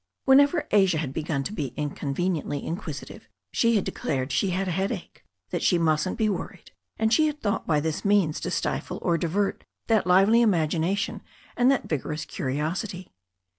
Whenever Asia had begun to be incon veniently inquisitive, she had declared she had a headache, that she mustn't be worried, and she had thought by this means to stifle or divert that lively imagination and that vigorous curiosity.